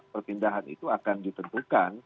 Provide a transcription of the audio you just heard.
perpindahan itu akan ditentukan